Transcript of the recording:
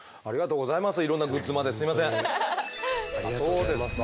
そうですか。